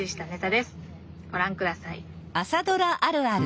ご覧ください。